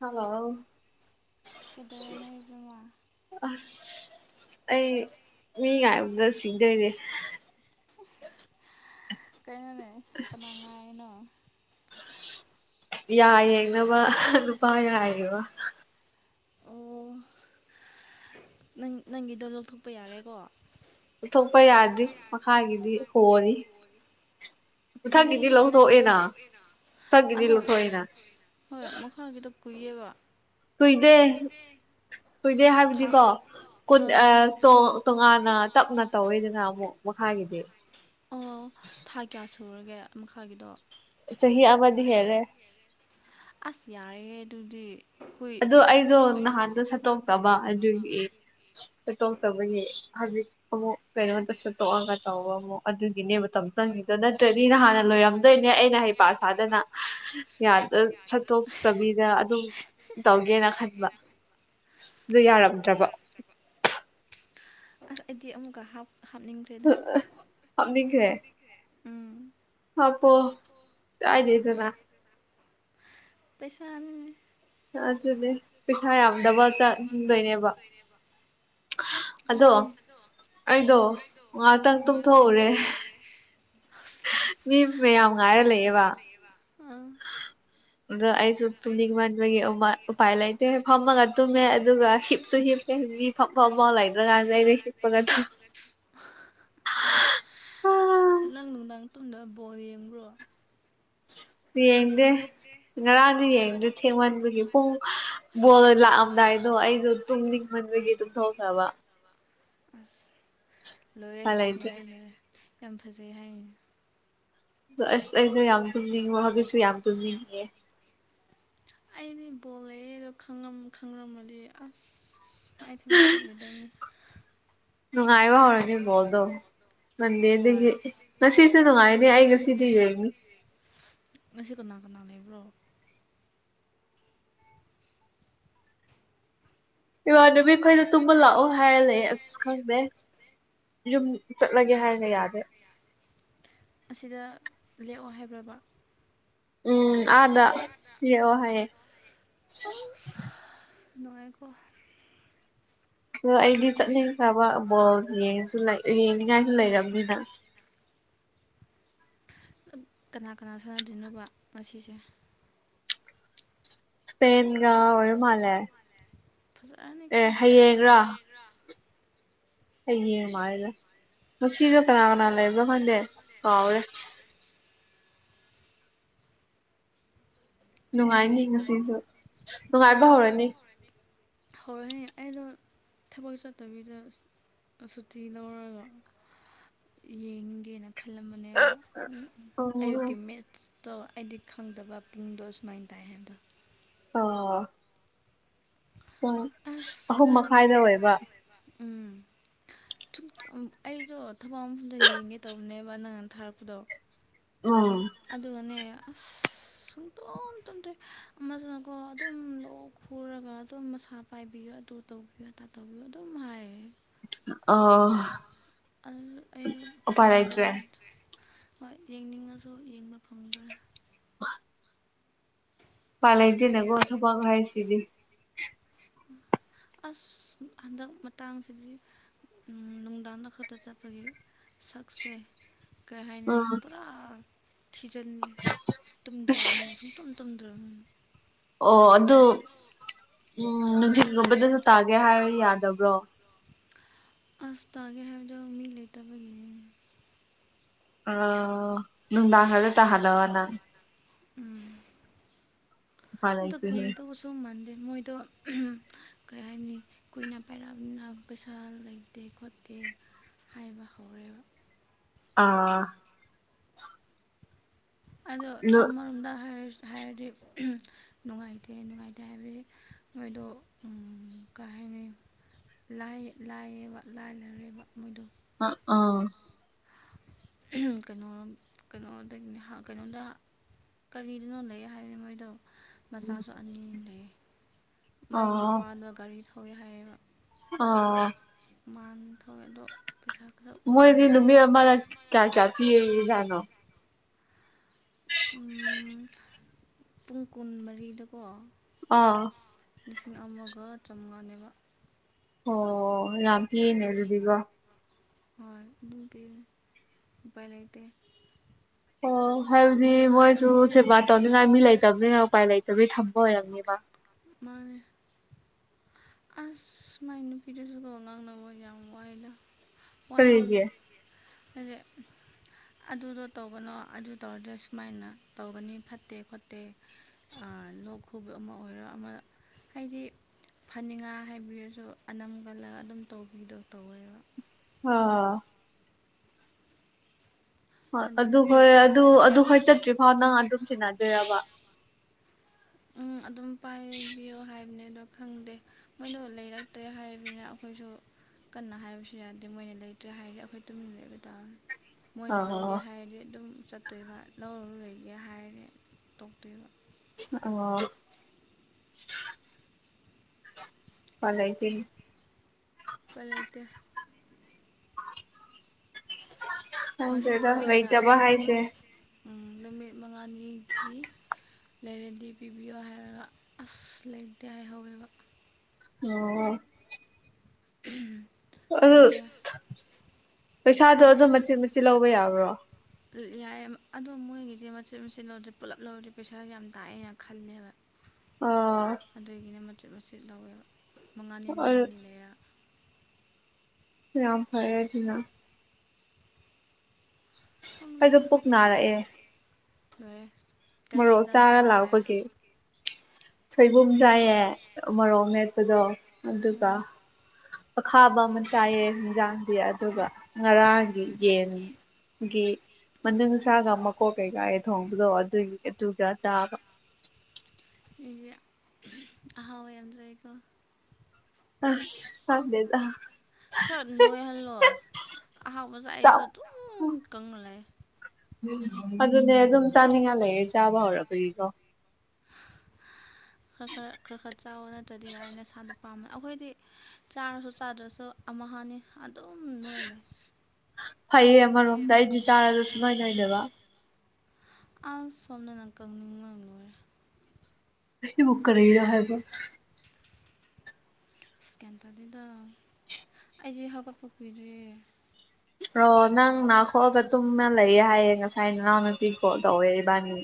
ꯍꯜꯂ ꯀꯩꯗꯧꯔꯤꯅꯣ ꯏꯕꯦꯝꯃ ꯑ ꯑꯩ ꯃꯤ ꯉꯥꯏꯕꯗ ꯁꯤꯗꯣꯏꯅꯦ ꯀꯔꯤꯅꯣꯅꯦ ꯀꯅꯥ ꯉꯥꯏꯅꯣ ꯌꯥꯏꯌꯦꯅꯕ ꯅꯨꯄꯥ ꯌꯥꯏꯌꯦꯕ ꯑꯣ ꯅꯪ ꯅꯪꯒꯤꯗꯣ ꯂꯧꯊꯣꯛꯄ ꯌꯥꯔꯦꯀꯣ ꯎꯊꯣꯛꯄ ꯌꯥꯗ꯭ꯔꯤ ꯃꯈꯥꯒꯤꯗꯤ ꯍꯣꯅꯤ ꯃꯊꯪꯒꯤꯗꯤ ꯀꯨꯏꯌꯦ ꯅꯪꯒꯤꯗꯣ ꯂꯧꯊꯣꯛꯑꯦꯅ ꯃꯊꯪꯒꯤꯗꯤ ꯑꯗꯣ ꯂꯧꯊꯣꯛꯑꯦꯅ ꯀꯨꯏꯕ ꯀꯨꯏꯗꯦ ꯀꯨꯏꯗꯦ ꯊꯥ ꯍꯥꯏꯕꯗꯤꯀꯣ ꯑꯥ ꯇꯣꯉꯥꯟꯅ ꯇꯞꯅ ꯇꯧꯋꯤꯗꯅ ꯑꯃꯨꯛ ꯃꯈꯥꯒꯤꯗꯤ ꯑꯣ ꯊꯥ ꯀꯌꯥ ꯁꯨꯔꯒꯦ ꯃꯈꯥꯒꯤꯗꯣ ꯆꯍꯤꯍꯤ ꯑꯕꯗꯤ ꯍꯥꯏꯔꯦ ꯑꯁ ꯌꯥꯔꯦꯍꯦ ꯑꯗꯨꯗꯤ ꯀꯨꯏ ꯑꯗꯨ ꯑꯩꯗꯣ ꯅꯍꯥꯟꯗꯣ ꯁꯠꯇꯣꯛꯇꯕ ꯑꯗꯨꯒꯤ ꯁꯠꯇꯣꯛꯇꯕꯒꯤ ꯍꯧꯖꯤꯛ ꯑꯃꯨꯛ ꯀꯩꯅꯣꯝꯇ ꯁꯠꯇꯣꯛꯑꯒ ꯇꯧꯕ ꯑꯃꯨꯛ ꯑꯗꯨꯒꯤꯅꯦ ꯃꯇꯝ ꯆꯪꯉ ꯑꯗꯨꯗꯣ ꯅꯠꯇ꯭ꯔꯗꯤ ꯅ ꯍꯥꯟꯅ ꯂꯣꯏꯔꯝꯗꯣꯏꯅꯦ ꯑꯩꯅ ꯍꯩ ꯄꯁꯗꯅ ꯌꯥꯗ ꯁꯠꯇꯣꯛꯇꯕꯤ ꯗ ꯑꯗꯨꯝ ꯇꯧꯒꯦꯅ ꯈꯟꯕ ꯑꯗꯨ ꯌꯥꯔꯝꯗ꯭ꯔꯕ ꯑ ꯑꯩꯗꯤ ꯑꯃꯨꯛꯀ ꯍꯥꯞ ꯍꯥꯞꯅꯤꯡꯈ꯭ꯔꯦꯗ ꯑꯅꯤꯈ꯭ꯔꯦ ꯎꯝ ꯑꯄꯣ ꯇꯥꯏꯗꯤꯗꯅꯥ ꯄꯩꯁꯥꯅꯤ ꯑꯗꯨꯅꯦ ꯄꯩꯁꯥ ꯌꯥꯝꯗꯕ ꯆꯗꯣꯏꯅꯦꯕ ꯇ ꯑꯩꯗꯣ ꯉꯍꯥꯛꯇꯪ ꯇꯨꯝꯊꯣꯛꯎꯔꯦ ꯃꯤ ꯃꯌꯥꯝ ꯉꯥꯏꯔ ꯂꯩꯑꯦꯕ ꯑꯥ ꯑꯗꯣ ꯑꯩꯁꯨ ꯇꯨꯝꯅꯤꯡꯃꯟꯕꯒꯤ ꯎꯄꯥꯏ ꯂꯩꯇꯦ ꯐꯝꯃꯒ ꯇꯨꯝꯃꯦ ꯑꯗꯨꯒ ꯍꯤꯞꯁꯨ ꯍꯤꯞꯄꯦ ꯃꯤ ꯐꯛ ꯐ ꯐꯥꯎ ꯂꯩꯗ꯭ꯔ ꯀꯥꯟꯁꯩꯗ ꯍꯦꯄꯒ ꯅꯪ ꯅꯨꯡꯗꯥꯡ ꯇꯨꯝꯗ ꯕꯣꯜ ꯌꯦꯡꯈ꯭ꯔꯣ ꯌꯦꯗꯤ ꯉꯔꯥꯡꯗꯤ ꯌꯦꯡꯗ ꯊꯦꯡꯃꯟꯕꯒꯤ ꯄꯨꯡ ꯕꯣꯜ ꯂꯥꯛꯑꯝꯗꯥꯏꯗꯣ ꯑꯩꯗꯣ ꯇꯨꯝꯅꯤꯡꯕ ꯕꯒꯤ ꯇ ꯊꯧꯈꯥꯕ ꯑꯁ ꯂꯣꯏꯔꯦ ꯎꯄꯥꯏ ꯂꯩꯇ꯭ꯔꯦ ꯂꯣꯏꯔꯦ ꯂꯣꯏꯔꯦ ꯌꯥꯝ ꯐꯖꯩ ꯍꯥꯏ ꯑꯗꯣ ꯑꯁ ꯑꯩꯗꯣ ꯌꯥꯝ ꯇꯨꯝꯅꯤꯡꯉꯣ ꯍꯧꯖꯤꯛꯁꯨ ꯌꯥꯝ ꯇꯨꯝꯅꯤꯡꯉꯦ ꯑꯩꯗꯤ ꯕꯣꯜ ꯂꯩꯦ ꯑꯗꯣ ꯈꯪꯉꯝꯃꯗꯤ ꯑꯁ ꯑꯩꯥꯏ ꯊꯕꯛ ꯆꯠꯂꯗꯅꯤ ꯅꯨꯡꯉꯥꯏꯕ ꯍꯧꯔꯅꯤꯕꯣꯜꯗꯣ ꯍꯣꯏ ꯃꯟꯗꯦꯗꯒꯤ ꯉꯁꯤꯁꯨ ꯅꯨꯡꯉꯥꯏꯅꯤ ꯑꯩ ꯉꯁꯤꯗꯤ ꯌꯦꯡꯉꯤ ꯉꯁꯤ ꯀꯅꯥ ꯀꯅꯥ ꯂꯩꯕ꯭ꯔꯣ ꯏꯃꯅꯕꯤ ꯑꯩꯈꯣꯏꯅ ꯇꯨꯝꯕ ꯂꯥꯛꯑꯣ ꯍꯥꯏꯔ ꯂꯩ ꯑꯁ ꯈꯪꯗꯦ ꯌꯨꯝ ꯆꯠꯂꯒꯦ ꯍꯥꯏꯔꯒ ꯌꯥꯗꯦ ꯑꯁꯤꯗ ꯂꯦꯛꯑꯣ ꯍꯥꯏꯕ꯭ꯔꯕ ꯎꯝ ꯑꯗ ꯌꯦ ꯍꯥꯏꯦ ꯑ ꯅꯉꯥꯏꯀꯣ ꯑꯣ ꯑꯩꯗꯤ ꯆꯠꯅꯤꯡ ꯆꯕ ꯕꯣꯜ ꯌꯦꯡꯅꯤꯡꯉꯥꯏꯁꯨ ꯂꯩꯔꯕꯝꯅꯤꯅ ꯀꯅꯥ ꯀꯅꯥ ꯁꯥꯟꯅꯗꯣꯏꯅꯣꯕ ꯃꯁꯤꯁꯦ ꯏꯁꯄꯦꯟꯒ ꯑꯣꯏꯔ ꯃꯥꯜꯂꯦ ꯐꯖꯔꯅꯤꯀꯣ ꯑꯦ ꯍꯌꯦꯌꯦꯡꯒꯔꯥ ꯑꯩ ꯃꯥꯔꯗ ꯉꯁꯤꯁꯨ ꯀꯅꯥ ꯀꯅꯥ ꯂꯩꯕ꯭ꯔꯣ ꯈꯪꯗꯦ ꯀꯥꯎꯔꯦ ꯅꯨꯡꯉꯥꯏꯅꯤ ꯉꯁꯤꯁꯨ ꯅꯨꯡꯉꯥꯏꯕ ꯍꯧꯔꯅꯤ ꯍ ꯑꯩꯅꯣ ꯊꯕꯛ ꯆꯠꯇꯕꯤꯗ ꯁꯨꯇꯤ ꯂꯧꯔꯒ ꯌꯦꯡꯒꯦꯅ ꯈꯜꯂꯝꯕꯅꯦꯕ ꯄꯨꯡ ꯑꯌꯨꯛꯀꯤ ꯃꯦꯠꯁ ꯇꯣ ꯑꯩꯗꯤ ꯈꯪꯗꯕ ꯄꯨꯡꯗꯣ ꯁꯨꯃꯥꯏꯅ ꯇꯥꯏ ꯍꯥꯏꯕꯗꯣ ꯑꯥ ꯎ ꯑꯁ ꯑꯍꯨꯝ ꯃꯈꯥꯏꯗ ꯑꯣꯏꯕ ꯨꯝ ꯑꯩꯗꯣ ꯊꯕꯛ ꯑꯃꯗ ꯌꯦꯡꯉꯦ ꯇꯧ ꯍꯝꯅꯦꯕ ꯅꯅꯥꯅ ꯊꯥꯔꯄꯗꯣ ꯎꯝ ꯑꯗꯨꯒꯅꯦ ꯑꯁ ꯁꯨꯡꯇꯣꯛ ꯇꯨꯝꯇ꯭ꯔꯦ ꯑꯃꯁꯤꯅꯀꯣ ꯑꯗꯨꯝ ꯂꯣꯛ ꯈꯨꯔꯒ ꯑꯗꯨꯝ ꯃꯁꯥ ꯄꯥꯏꯕꯤꯌꯣ ꯇ ꯇꯨ ꯇꯧꯕꯤꯌꯣ ꯑ ꯇ ꯇꯧꯕꯤꯌꯣ ꯑꯗꯨꯝ ꯍꯥꯏꯌꯦ ꯑ ꯑꯗꯨ ꯑꯩꯩꯅ ꯐꯪꯗ꯭ꯔ ꯍ ꯌꯦꯡꯅꯤꯡꯉꯁꯨ ꯌꯦꯡꯕ ꯐꯪꯗ꯭ꯔꯦ ꯄꯂꯥꯏꯗꯅꯒꯣ ꯊꯄꯒ ꯍꯥꯏꯁꯤꯗꯤ [inaudible] ꯑꯁ ꯍꯟꯗꯛ ꯃꯇꯥꯡꯁꯤꯗꯤ ꯅꯨꯡꯗꯥꯡꯗ ꯈꯛꯇ ꯆꯠꯄꯒꯤ ꯁꯛꯁꯦ ꯀꯩ ꯍꯥꯏꯅꯤ ꯎꯝ ꯄꯨꯔꯥ ꯊꯤꯖꯤꯜꯂꯦ ꯑꯁ ꯇꯨꯝꯗ꯭ꯔꯕꯅꯤ ꯑꯗꯨꯨꯝ ꯇꯨꯝꯨꯝ ꯎ ꯑꯣ ꯑꯗꯨ ꯑꯗꯨ ꯎꯝ ꯅꯨꯡꯊꯤꯠꯒꯨꯝꯕꯗꯁꯨ ꯇꯥꯒꯦ ꯍꯥꯏꯔ ꯌꯥꯗꯕ꯭ꯔꯣ ꯑꯁ ꯇꯥꯒꯦ ꯍꯥꯏꯗ ꯃꯤ ꯂꯩꯇꯕꯅꯤ ꯑ ꯅꯅꯨꯡꯗꯥ ꯍꯥꯏꯔ ꯇ ꯍꯜꯂ ꯋꯥꯅ ꯎꯝ ꯎꯄꯥꯏ ꯑꯗ ꯂꯩꯇꯦꯍꯦ ꯀꯣꯏꯗꯕꯨꯁꯨꯨꯝ ꯃꯟꯗ ꯃꯣꯏꯗꯣ ꯀꯩ ꯍꯥꯏꯕꯅꯤ ꯀꯨꯏꯅ ꯄꯥꯏꯔꯛꯑꯅ ꯄꯩꯁꯥ ꯂꯩꯇꯦ ꯈꯣꯠꯇꯦ [inaudible] ꯍꯥꯏꯥꯏꯕ ꯍꯧꯥꯎꯔ ꯑꯥ ꯑꯗꯣ ꯅꯨ ꯑꯃꯔꯣꯝꯗ ꯍꯥꯏ ꯍꯥꯏꯔꯗꯤ ꯅꯨꯡꯉꯥꯏꯇꯦ ꯅꯨꯡꯉꯥꯏꯇꯦ ꯍꯥꯏꯕꯗꯤ ꯃꯣꯏꯗꯣ ꯀ [inaudible] ꯂꯥꯏꯌꯦꯕ ꯂꯥꯏꯅꯔꯦꯕ ꯃꯣꯏꯗꯣ ꯑ ꯑꯥ ꯀꯩꯅꯣ ꯀꯩꯅꯣ ꯀꯩꯅꯣꯗ ꯀꯔꯤꯗꯨꯅꯣ ꯂꯩ ꯍꯥꯏꯅꯦ ꯃꯣꯏꯗꯣ ꯃꯆꯥꯁꯨ ꯑꯅꯤ ꯂꯩ ꯃꯥꯏ ꯑꯣ ꯅꯨꯄꯥꯗ ꯒꯥꯔꯤ ꯊꯧꯋꯤ ꯍꯥꯏꯌꯦꯕ ꯑꯥ ꯃꯥꯟ ꯊꯧꯋꯦ ꯑꯗꯣ ꯄꯩꯁꯥ ꯈꯔ ꯋꯥꯕ ꯃꯣꯏꯗꯤ ꯃꯥ ꯅꯨꯃꯤꯠ ꯑꯃꯗ ꯀꯌꯥ ꯀꯌꯥ ꯄꯤꯔꯤꯖꯥꯠꯅꯣ ꯄꯨꯡ ꯀꯨꯟꯃꯔꯤꯗꯀꯣ ꯑꯥ ꯂꯤꯁꯤꯡ ꯑꯃꯒ ꯆꯃꯉꯥꯅꯦꯕ ꯑꯣ ꯌꯥꯝ ꯀꯤꯅꯦ ꯑꯗꯨꯗꯤꯒꯣ ꯍ ꯑꯗꯨꯨꯡ ꯄ ꯄꯥꯏ ꯂꯩꯇꯦ ꯑꯣ ꯍꯥꯏꯕꯗꯤ ꯃꯤ ꯃꯣꯏꯁꯨ ꯑꯁꯤꯁꯦ ꯁꯦꯕꯥ ꯇꯧꯅꯤꯉꯥꯏ ꯃꯤ ꯂꯩꯇꯕꯅꯤꯅ ꯎꯄꯥꯏ ꯂꯩꯇꯕꯅꯤ ꯊꯝꯕ ꯑꯣꯏꯔꯝꯅꯦꯕ ꯃꯥꯥꯡꯉ ꯑꯁ ꯃꯥꯏ ꯅꯨꯄꯤꯗꯨꯁꯨꯀꯣ ꯉꯥꯡꯅꯕ ꯃ ꯌꯥꯃꯏꯗ ꯍꯥꯏ ꯍꯥꯏꯗꯤ ꯀꯔꯤꯒꯤ ꯍꯦ ꯑꯗꯨꯗꯣ ꯇꯧꯒꯅꯣ ꯑꯗꯨ ꯇꯧꯔꯗꯤ ꯁꯨꯃꯥꯏꯅ ꯇꯧꯒꯅꯤ ꯐꯠꯇꯦ ꯈꯣꯠꯇꯦ ꯂꯣꯛ ꯈꯨꯕ ꯑꯃ ꯑꯣꯏꯔꯣ ꯑꯃ ꯍꯥꯏꯗꯤ ꯐꯅꯤꯡꯉꯥ ꯍꯥꯏꯕꯤꯔꯁꯨ ꯑꯅꯝ ꯀꯜꯂꯒ ꯑꯗꯨꯝ ꯇꯧꯕꯤꯗꯣ ꯇꯧꯋꯦꯕ ꯑꯥ ꯍꯣꯏ ꯑꯗꯨ ꯍꯟꯗꯛꯇꯤ ꯍꯣꯏ ꯑꯗꯨ ꯑꯗꯨ ꯍꯣꯏ ꯆꯠꯇ꯭ꯔꯤ ꯐꯥꯎ ꯅꯪ ꯑꯗꯨꯝ ꯁꯤꯟꯅꯗꯣꯏꯔꯕ [inaudible] ꯎꯝ ꯑꯗꯨꯝ ꯄꯥꯏꯕꯤꯌꯨ ꯍꯥꯏꯕꯅꯤ ꯑꯗꯣ ꯈꯪꯗꯦ ꯃꯣꯏꯗꯣ ꯂꯩꯔꯛꯇ꯭ꯔꯦ ꯍꯥꯏꯕꯅꯤꯅ ꯑꯩꯈꯣꯏꯁꯨ ꯀꯟꯅ ꯍꯥꯏꯕꯁꯨ ꯌꯥꯗꯦ ꯃꯣꯏꯅ ꯂꯩꯇ꯭ꯔꯦ ꯍꯥꯏꯗꯤꯦ ꯑꯩꯈꯣꯏ ꯇꯨꯃꯤꯟꯅ ꯂꯩꯕ ꯇꯥꯔꯅꯤ ꯃꯣꯏꯅ ꯑꯣ ꯂꯧꯒꯦ ꯍꯥꯏꯔꯗꯤ ꯑꯗꯨꯝ ꯆꯠꯇꯣꯏꯕ ꯂꯧꯔ ꯂꯩꯒꯦ ꯍꯥꯏꯔꯦ ꯇꯣꯛꯇꯣꯏꯕ ꯑꯣ ꯐꯂꯥꯏꯗꯤ ꯄꯂꯩꯇ ꯉꯁꯤꯗꯣ ꯍꯪꯗꯦꯗ ꯑꯩꯅ ꯂꯩꯇꯕ ꯍꯥꯏꯁꯦ ꯅꯨꯃꯤꯠ ꯃꯉꯥꯅꯤꯒꯤ ꯂꯩꯔꯗꯤ ꯄꯤꯕꯤꯌꯣ ꯍꯥꯏꯔꯒ ꯑꯁ ꯂꯩꯔꯇꯦ ꯍꯥꯏꯍꯧꯋꯦꯕ ꯑꯣ ꯎꯝ ꯎ ꯄꯩꯁꯥꯗꯣ ꯑꯗꯨꯝ ꯃꯆꯤꯠ ꯃꯆꯤꯠ ꯂꯧꯕ ꯌꯥꯕ꯭ꯔꯣ ꯌꯥꯏ ꯑꯗꯣ ꯃꯣꯏꯒꯤꯗꯤ ꯃꯆꯦꯠ ꯃꯆꯦꯠ ꯂꯧꯗ꯭ꯔꯦ ꯄꯨꯂꯞ ꯂꯧꯔꯦ ꯄꯩꯁꯥ ꯌꯥꯝ ꯇꯥꯛꯑꯦꯅ ꯈꯜꯂꯦꯕ ꯑꯥ ꯆꯤꯠ ꯃꯆꯤꯠ ꯂꯧꯋꯦ ꯃꯉꯥꯅꯤ ꯃꯉꯥꯅꯤ ꯂꯩꯔꯦ ꯔꯝꯐꯥꯏꯔꯖꯤꯅ ꯑꯩꯗꯣ ꯈꯪꯗꯦꯗ ꯄꯨꯛ ꯅꯥꯔꯛꯑꯦ꯫ [inaudible] ꯃꯣꯔꯣꯛ ꯍꯦꯟꯖꯥꯡ ꯆꯥꯔ ꯂꯥꯛꯑꯦ ꯂꯥꯛꯄꯒꯤ ꯁꯣꯏꯕꯨꯝ ꯆꯥꯏꯌꯦ ꯃꯣꯔꯣꯛꯅꯦ ꯗꯣ ꯑꯗꯨꯒ ꯎꯝ ꯑꯈꯥꯕ ꯑꯃ ꯆꯥꯏꯌꯦ ꯍꯤꯟꯖꯥꯡꯗꯤ ꯑꯗꯨꯒ ꯉꯔꯥꯡꯒꯤ ꯌꯦꯟ ꯒꯤ ꯃꯅꯨꯡꯁꯥꯒ ꯃꯀꯣꯛ ꯀꯩꯀꯥ ꯊꯣꯡꯕꯗꯣ ꯑꯗꯨꯒꯤ ꯑꯗꯨꯒ ꯆꯥꯕ꯫ ꯃꯤꯗꯤ ꯑꯍꯥꯎ ꯌꯥꯝꯖꯩꯀꯣ꯫ ꯑꯁ ꯆꯥꯗꯦꯗ꯫ ꯈꯔ ꯅꯣꯏꯍꯜꯂꯣ ꯑꯍꯥꯎꯕ ꯑꯩꯁꯨ ꯗꯨꯝ ꯀꯪꯂꯂꯦ꯫ ꯑꯗꯨꯅꯦ ꯑꯗꯨꯝ ꯆꯥꯅꯤꯡꯉꯥꯏ ꯂꯩꯌꯦ ꯆꯥꯕ ꯍꯧꯔꯛꯄꯒꯤꯀꯣ꯫ ꯈꯔ ꯈꯔ ꯈꯔ ꯈꯔ ꯆꯥꯎ ꯅꯠꯇ꯭ꯔꯗꯤ ꯌꯥꯔꯣꯏ ꯅꯁꯥꯗꯣ ꯄꯥꯝꯃꯦ ꯑꯩꯈꯣꯏꯗꯤ ꯆꯥꯔꯁꯨ ꯆꯥꯗ꯭ꯔꯁꯨ ꯑꯃ ꯍꯥꯅꯤ꯫ ꯑꯗꯨꯝ ꯅꯣꯏ ꯂꯩ ꯐꯩꯌꯦ ꯑꯃꯔꯣꯝꯗ ꯑꯩꯖꯨ ꯆꯥꯔꯖꯨ ꯁꯨꯛꯅꯣꯏ ꯅꯣꯏꯗꯕ꯫ ꯑꯁ ꯁꯣꯝꯗꯅ ꯀꯪꯅꯤꯡꯕ ꯂꯣꯏꯔꯦ꯫ ꯑꯁꯤꯕꯨ ꯀꯔꯤꯔꯥ ꯍꯥꯏ꯫ [unintelligible] ꯑꯩꯗꯤ ꯍꯧꯒꯠꯄ ꯀꯨꯏꯗꯔ꯭ꯤꯌꯦ꯫ ꯑꯣ ꯅꯪ ꯅꯥꯈꯣꯛꯑꯒ ꯇꯨꯝꯃ ꯂꯩꯌꯦ ꯍꯥꯏꯌꯦ ꯉꯁꯥꯏ ꯅꯅꯥꯎꯅꯨ ꯄꯤꯀꯣꯜ ꯇꯧꯋꯦ ꯏꯕꯥꯅꯤ꯫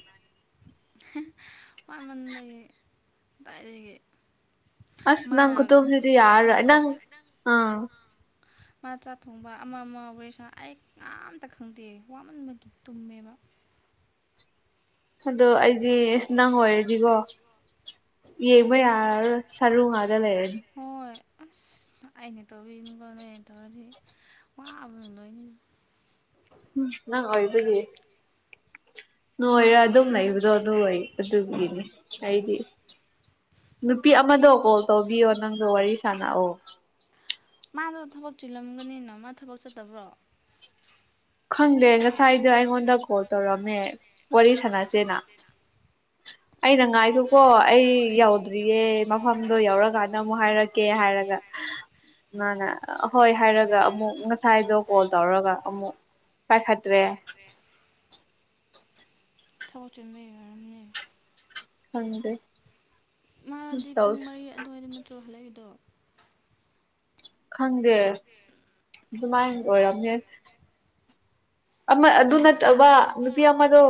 ꯋꯥꯃꯟꯕꯒꯤ ꯗꯥꯏꯗꯒꯤ꯫ ꯑꯁ ꯅꯪ ꯈꯨꯇꯨꯝꯗꯨꯗꯤ ꯌꯥꯔꯔꯣꯏ ꯅꯪ ꯑ ꯃꯥ ꯆꯥꯛ ꯊꯣꯡꯕ ꯑꯃ ꯑꯃ ꯋꯥꯔꯤꯁꯥ ꯑꯩ ꯀꯅꯝꯇ ꯈꯪꯗꯦ ꯋꯥꯃꯟꯕꯒꯤ ꯇꯨꯝꯃꯦꯕ꯫ ꯑꯗꯣ ꯑꯩꯗꯤ ꯅꯪ ꯑꯣꯏꯔꯗꯤꯀꯣ ꯌꯦꯡꯕ ꯌꯥꯔꯔꯣꯢ ꯁꯔꯨ ꯉꯥꯗ ꯂꯩꯔꯅꯤ꯫ ꯍꯣꯏ ꯑꯁ ꯑꯩꯅ [unintelligible] ꯋꯥꯕꯅ ꯂꯣꯏꯅꯤ꯫ ꯎꯝ ꯅꯪ ꯑꯣꯏꯕꯒꯤ ꯅꯣꯏꯔ ꯑꯗꯨꯝ ꯂꯩꯕꯗꯣ ꯅꯣꯏ ꯑꯗꯨꯒꯤꯅꯤ ꯑꯩꯗꯤ ꯅꯨꯄꯤ ꯑꯃꯗꯣ ꯀꯣꯜ ꯇꯧꯕꯤꯌꯣ ꯅꯪꯗꯣ ꯋꯥꯔꯤ ꯁꯥꯟꯅꯑꯣ꯫ ꯃꯥꯗꯣ ꯊꯕꯛ ꯆꯤꯜꯂꯝꯒꯅꯤꯅ ꯃꯥ ꯊꯕꯛ ꯆꯠꯇꯕ꯭ꯔꯣ? ꯈꯪꯗꯦ ꯉꯁꯥꯏꯗ ꯑꯩꯉꯣꯟꯗ ꯀꯣꯜ ꯇꯧꯔꯝꯃꯦ ꯋꯥꯔꯤ ꯁꯥꯟꯅꯁꯦꯅ꯫ ꯑꯩꯅ ꯑꯣ ꯉꯥꯏꯈꯣꯀꯣ ꯑꯩ ꯌꯧꯗ꯭ꯔꯤꯌꯦ ꯃꯐꯝꯗꯣ ꯌꯧꯔꯀꯥꯟꯗ ꯑꯃꯨꯛ ꯍꯥꯏꯔꯛꯀꯦ ꯍꯥꯏꯔꯒ ꯃꯥꯅ ꯍꯣꯏ ꯍꯥꯏꯔꯒ ꯑꯃꯨꯛ ꯉꯁꯥꯏꯗꯣ ꯀꯣꯜ ꯇꯧꯔꯒ ꯑꯃꯨꯛ ꯄꯥꯏꯈꯠꯇ꯭ꯔꯦ꯫ ꯊꯕꯛ ꯆꯤꯟꯕꯩ ꯑꯣꯏꯔꯝꯅꯤ꯫ ꯈꯪꯗꯦ꯫ ꯃꯥꯗꯤ ꯇꯧ ꯄꯨꯡ ꯃꯔꯤ ꯑꯗꯨꯋꯥꯏꯗ ꯅꯠꯇ꯭ꯔꯣ ꯍꯜꯂꯛꯏꯗꯣ꯫ ꯈꯪꯗꯦ ꯑꯗꯨꯃꯥꯏꯅ ꯑꯣꯏꯔꯝꯅꯦ꯫ ꯑꯃ ꯑꯗꯨ ꯅꯠꯇꯕ ꯅꯨꯄꯤ ꯑꯃꯗꯣ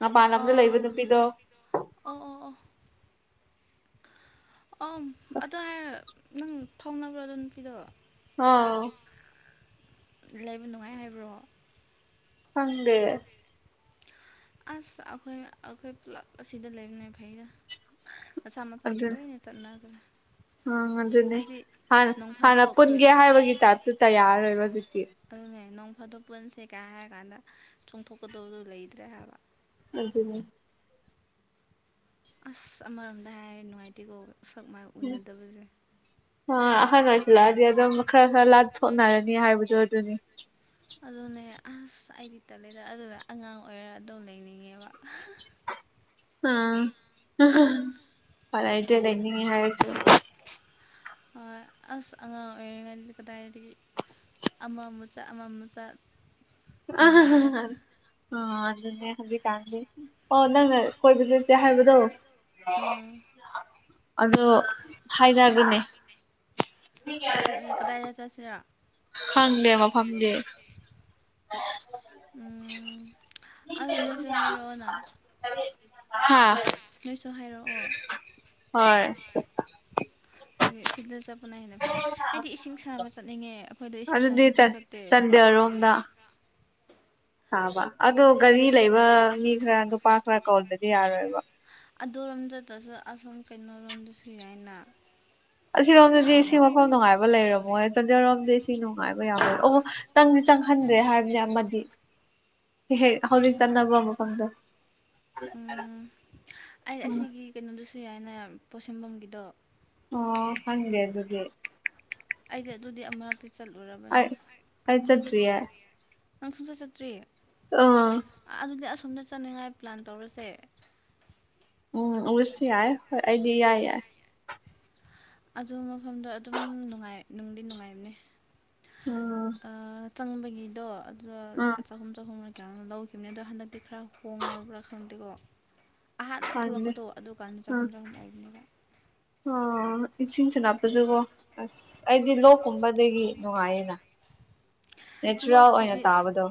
ꯃꯄꯥꯟ ꯂꯝꯗ ꯂꯩꯕ ꯑꯣ ꯅꯨꯄꯤꯗꯣ꯫ ꯑꯣ ꯑꯣ ꯑꯝ ꯑꯗꯨ ꯍꯥꯏꯔ ꯅꯪ ꯊꯣꯡꯅꯕ꯭ꯔꯣ ꯑꯗꯨ ꯅꯨꯄꯤꯗꯣ? ꯑꯥ ꯂꯩꯕ ꯅꯨꯡꯉꯥꯏ ꯍꯥꯏꯕ꯭ꯔꯣ? ꯈꯪꯗꯦ ꯑꯁ ꯑꯈꯣꯏ ꯑꯈꯣꯏ ꯄꯨꯂꯞ ꯑꯁꯤꯗ ꯂꯩꯕꯅꯦ ꯐꯩꯗ꯫ ꯃꯁꯥ ꯃꯁꯥꯒꯤ ꯑꯗꯨ ꯂꯣꯏꯅ ꯆꯠꯅꯒꯔꯦ ꯑꯪ ꯑꯗꯨꯅꯦ ꯍꯥꯟ ꯍꯥꯟꯅ ꯐꯥꯗꯣꯛ ꯄꯨꯟꯒꯦ ꯑꯩꯈꯣꯏ ꯍꯥꯏꯕꯒꯤ ꯇꯥꯏꯞꯇꯨꯇ ꯌꯥꯔꯔꯣꯏꯕ ꯍꯧꯖꯤꯛꯇꯤ꯫ ꯑꯗꯨꯅꯦ ꯅꯣꯡ ꯐꯥꯗꯣꯛ ꯄꯨꯟꯁꯦ ꯀꯥꯏ ꯍꯥꯏꯔ ꯀꯥꯟꯗ ꯆꯣꯡꯊꯣꯛꯀꯗꯕꯗꯨ ꯂꯩꯇ꯭ꯔꯦ ꯍꯥꯏꯕ꯫ ꯑꯗꯨꯨꯅꯦ ꯑꯁ ꯑꯃꯔꯣꯝꯗ ꯍꯥꯏꯔꯦ ꯅꯨꯡꯉꯥꯏꯇꯦꯀꯣ ꯁꯛ ꯃꯥꯏ ꯎꯅꯗꯕꯁꯦ ꯍꯥ ꯑꯍꯥꯜ ꯑꯣꯢꯁꯤꯜꯂꯛꯑꯗꯤ ꯑꯗꯨꯝ ꯈꯔ ꯈꯔ ꯂꯥꯊꯣꯛꯅꯔꯅꯤ ꯍꯥꯏꯕꯗꯣ ꯑꯗꯨꯅꯤ ꯑꯗꯨꯅꯦ ꯑꯁ ꯑꯩꯗꯤ ꯇꯠꯂꯦꯗ ꯑꯗꯨꯗ ꯑꯉꯥꯡ ꯑꯣꯏꯔꯒ ꯑꯗꯨꯝ ꯂꯩꯅꯤꯡꯉꯦꯕ ꯂꯩꯅꯤꯡꯉꯦ ꯍꯥꯢꯔꯁꯨ ꯑꯁ ꯑꯉꯥꯡ ꯑꯣꯏꯉꯩꯗꯗꯤ ꯀꯗꯥꯢꯗꯒꯤ ꯑꯃ ꯑꯃꯨꯝ ꯆꯥ ꯑꯃ ꯑꯃꯨꯝ ꯆꯥ ꯍꯣꯢ ꯑꯗꯨꯅꯦ ꯑꯣ ꯅꯪꯅ ꯀꯣꯏꯕ ꯆꯠꯁꯦ ꯍꯥꯏꯕꯗꯣ ꯑꯥ ꯑꯗꯣ ꯐꯥꯏꯗꯗꯨꯅꯦ ꯀꯗꯥꯢꯗ ꯆꯠꯁꯤꯂ ꯈꯪꯗꯦ ꯃꯐꯝꯗꯤ ꯎꯝ ꯑꯗꯣ ꯅꯣꯏꯁꯨ ꯍꯥꯏꯔꯛꯑꯣꯅ ꯍꯥ ꯅꯣꯏꯁꯨ ꯍꯥꯏꯔꯛꯑꯣ ꯍꯣꯏ ꯍꯥꯏꯗꯤ ꯁꯤꯗ ꯆꯄ ꯀꯅ ꯍꯦꯟꯅ ꯐꯅꯤ ꯑꯩꯗꯤ ꯏꯁꯤꯡ ꯁꯥꯕ ꯆꯠꯅꯤꯡꯉꯦ ꯑꯩꯈꯣꯏꯗ ꯏꯁꯤꯡꯕ ꯑꯗꯨꯗꯤ ꯁꯨꯡ ꯆꯠ ꯆꯟ ꯆꯠꯇꯦ [unintelligible] ꯆꯥꯕ ꯑꯗꯣ ꯒꯥꯔꯤ ꯂꯩꯕ ꯃꯤ ꯈꯔ ꯅꯨꯄꯥ ꯈꯔ ꯀꯥꯎꯗ꯭ꯔꯗꯤ ꯌꯥꯔꯣꯏꯕ ꯑꯗꯨꯔꯣꯝꯗꯁꯨ ꯑꯁꯣꯝ ꯀꯩꯅꯣꯔꯣꯝꯗꯁꯨ ꯌꯥꯏꯅ ꯑꯁꯤꯔꯣꯝꯗꯗꯤ ꯏꯁꯤꯡ ꯃꯐꯝ ꯅꯨꯡꯉꯥꯏꯕ ꯂꯩꯔꯝꯃꯣꯏ ꯆꯟꯗꯦꯜꯔꯣꯝꯗ ꯏꯁꯤꯡ ꯅꯨꯡꯉꯥꯏꯕ ꯌꯥꯝ ꯂꯩ ꯑꯣ ꯆꯪꯗꯤ ꯆꯪꯍꯟꯗ꯭ꯔꯦ ꯍꯥꯏꯕꯅꯦ ꯑꯃꯗꯤ ꯍꯦꯛ ꯍꯧꯖꯤꯛ ꯆꯠꯅꯕ ꯃꯐꯝꯗ ꯎ ꯑꯩ ꯑꯁꯤꯒꯤ ꯀꯩꯅꯣꯗꯨꯁꯨ ꯌꯥꯏꯅꯦ ꯄꯣꯠꯁꯦꯝꯐꯝꯒꯤꯗꯣ ꯑꯣ ꯈꯪꯗꯦ ꯑꯗꯨꯗꯤ ꯑꯩꯗꯤ ꯑꯗꯨꯗꯤ ꯑꯃꯔꯛ ꯑꯩ ꯆꯠꯇꯔꯤꯌꯦ ꯅꯪ ꯁꯨꯡꯆꯠ ꯆꯠꯇ꯭ꯔꯤ ꯑꯥꯎ ꯊꯨꯅ ꯆꯠꯅꯤꯡꯉꯥꯏ ꯄ꯭ꯂꯥꯟ ꯇꯧꯔꯁꯦ ꯎꯝ ꯎꯁꯤ ꯌꯥꯏ ꯍꯣꯏ ꯑꯩꯗꯤ ꯢꯌꯥ ꯌꯥꯏ ꯑꯗꯨ ꯃꯐꯝꯗꯣ ꯑꯗꯨꯝ ꯅꯨꯡꯉꯥꯏ ꯅꯨꯡꯗꯤ ꯅꯨꯡꯉꯥꯏꯕꯅꯦ ꯎꯝ ꯆꯪꯕꯒꯤꯗꯣ ꯑꯗꯨꯒ ꯎꯝ ꯂꯨꯄꯥ ꯆꯍꯨꯝ ꯆꯍꯨꯝ ꯀ ꯂꯧꯈꯤꯕꯅꯦ ꯑꯗꯣ ꯍꯟꯗꯛꯇꯤ ꯈꯔ ꯍꯣꯡꯉꯔꯕ꯭ꯔꯥ ꯈꯪꯗꯦꯀꯣ ꯑꯍꯥꯟꯕ ꯈꯪꯗꯦ ꯊꯣꯛꯂꯛꯄꯗꯣ ꯑꯗꯨꯀꯥꯟꯗ ꯆꯍꯨꯝ ꯆꯍꯨꯝ ꯑꯣꯏꯕꯅꯦ ꯑ ꯏꯁꯤꯡꯁꯨ ꯅꯞꯄꯗꯨꯀꯣ ꯑꯁ ꯑꯩꯗꯤ ꯂꯣꯛꯀꯨꯝꯕꯗꯒꯤ ꯅꯨꯡꯉꯥꯏꯌꯦꯅ [unintelligible] ꯑꯣꯏꯅ ꯂꯣꯛꯀꯤꯗꯤ ꯇꯥꯕꯗꯣ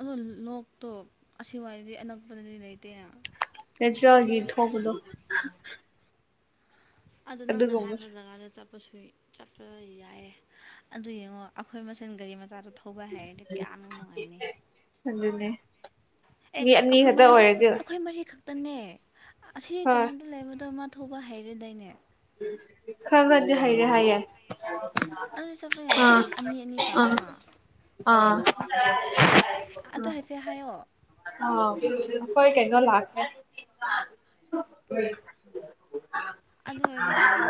ꯑꯗꯣ ꯂꯣꯛꯇꯣ ꯑꯁꯤꯋꯥꯗꯤ ꯑꯅꯛꯄꯗꯗꯤ ꯂꯩꯇꯦꯅ ꯅꯦꯆꯔꯦꯜꯒꯤ ꯊꯣꯛꯄꯗꯣ ꯑꯗꯨꯗ ꯅꯪꯅ ꯑꯗꯨꯒꯨꯝꯕ ꯍꯥꯏꯕ ꯖꯒꯥꯗ ꯆꯠꯄ ꯆꯠꯄꯁꯨ ꯆꯠꯄꯗ ꯌꯥꯏꯌꯦ ꯑꯗꯨ ꯌꯦꯡꯉꯣ ꯑꯩꯈꯣꯏ ꯃꯁꯦꯟ ꯒꯥꯔꯤ ꯃꯆꯥꯗꯨ ꯊꯧꯕ ꯍꯥꯏꯔꯗꯤ ꯀꯌꯥꯝꯅ ꯅꯨꯡꯉꯥꯏꯅꯤ ꯑꯗꯨꯅꯦ ꯑꯦ ꯃꯤ ꯑꯅꯤ ꯑꯩꯈꯣꯏ ꯈꯛꯇ ꯃꯔꯤ ꯑꯣꯏꯔꯗꯤ ꯍꯣꯏ ꯑꯩꯈꯣꯏ ꯃꯔꯤ ꯈꯛꯇꯅꯦ ꯑꯁꯤ ꯈꯔ ꯀꯩꯅꯣꯗ ꯂꯩꯕꯗꯣ ꯑ ꯊꯧꯕ ꯍꯩꯔꯦꯗꯥꯏꯅꯦ ꯈꯪꯕꯗ ꯍꯥꯏꯔꯦ ꯍꯥꯏꯦ ꯑꯗꯨꯗ ꯆꯠꯄ ꯌꯥꯏꯅ ꯑꯅꯤ ꯑꯅꯤ ꯄꯥꯔꯒ ꯎꯝ ꯑꯗꯨꯗ ꯍꯥꯏꯐꯦꯠ ꯍꯥꯏꯌꯑꯣ ꯑ ꯀꯣꯏ ꯀꯩꯒꯣ ꯂꯥꯛꯀ ꯍ ꯑꯗꯨ ꯑꯣꯏ ꯅꯨꯡꯉꯥꯏꯅꯤ